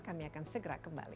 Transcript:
kami akan segera kembali